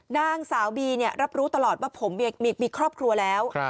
นางสาวบีรับรู้ตลอดว่าผมมีครอบครัวแล้ว